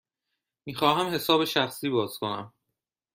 می خواهم حساب شخصی باز کنم.